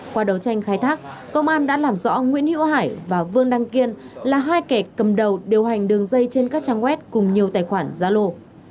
qua đấu tranh khai thác công an đã làm rõ nguyễn hữu hải và vương đăng kiên là hai kẻ cầm đầu điều hành đường dây trên các trang web cùng nhiều tài khoản gia lô